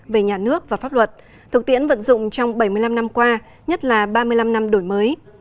về nhà nước và pháp luật thực tiễn vận dụng trong bảy mươi năm năm qua nhất là ba mươi năm năm đổi mới